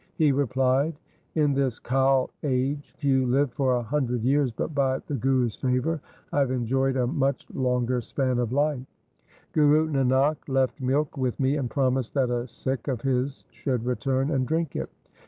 He replied, ' In this Kal age few live for a hundred years, but by the Guru's favour I have enjoyed a much longer span of life. Guru Nanak left milk with me and promised that a Sikh of his should return and drink it.